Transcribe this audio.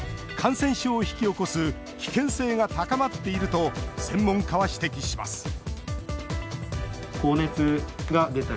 感染症を引き起こす危険性が高まっていると専門家は指摘します